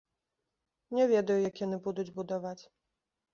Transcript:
Не ведаю, як яны будуць будаваць.